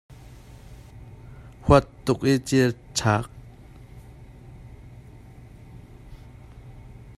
A huat tuk i a cil a chak.